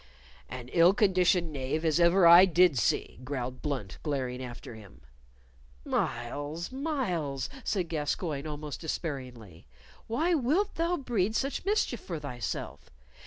"An ill conditioned knave as ever I did see," growled Blunt, glaring after him. "Myles, Myles," said Gascoyne, almost despairingly, "why wilt thou breed such mischief for thyself?